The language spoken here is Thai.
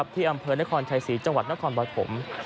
ที่อำเภอนครชัยศรีจังหวัดนครปฐม